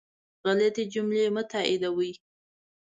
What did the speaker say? غلطي جملې مه تائیدوئ